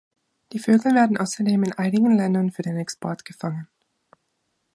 Die Vögel werden außerdem in einigen Ländern für den Export gefangen.